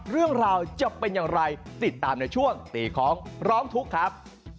เรื่องราวจะเป็นอย่างไรติดตามในช่วงตีของร้องทุกข์ครับ